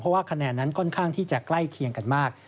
เพราะว่าคะแนนนั้นค่อนข้างที่จะใกล้เคียงกันมาก